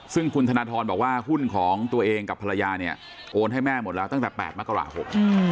ซึ่งคุณธนทรบอกว่าหุ้นของตัวเองกับภรรยาเนี่ยโอนให้แม่หมดแล้วตั้งแต่๘มกราคม